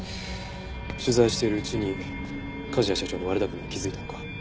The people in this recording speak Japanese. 取材しているうちに梶谷社長の悪巧みに気づいたのか？